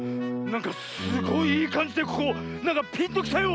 なんかすごいいいかんじでここなんかピンときたよ！